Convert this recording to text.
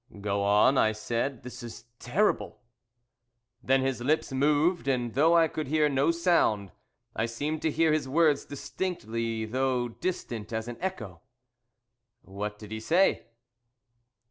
"Go on," I said; "this is terrible!" "Then his lips moved, and, though I could hear no sound, I seemed to hear his words distinctly, though distant as an echo." "What did he say?"